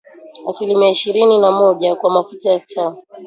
asilimia ishirini na moja kwa mafuta ya taa